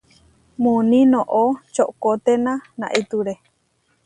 Muuní noʼó čoʼkoténa naʼitúre.